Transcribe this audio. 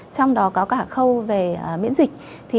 trong đó có cả khâu về miễn dịch